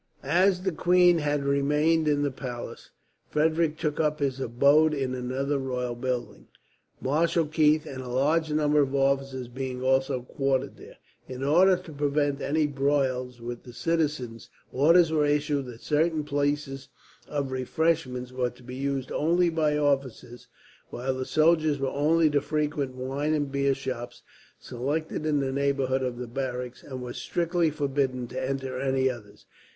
As the queen had remained in the palace, Frederick took up his abode in another royal building, Marshal Keith and a large number of officers being also quartered there. In order to prevent any broils with the citizens, orders were issued that certain places of refreshment were to be used only by officers, while the soldiers were only to frequent wine and beer shops selected in the neighbourhood of the barracks, and were strictly forbidden to enter any others.